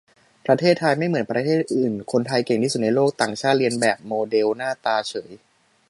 ประเทศไทยไม่เหมือนประเทศอื่น คนไทยเก่งที่สุดในโลก ต่างชาติเลียนแบบโมเดลหน้าตาเฉย